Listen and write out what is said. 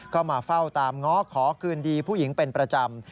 ก็มาเฝ้าตามง้อขอคืนดีผู้หญิงเป็นประจำ